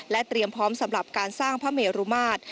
เตรียมพร้อมสำหรับการสร้างพระเมรุมาตร